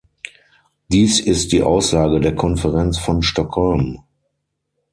Dies ist die Aussage der Konferenz von Stockholm.